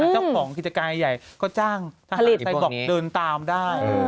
เจ้าของกิจการใหญ่ก็จ้างผลิตไปบอกเดินตามได้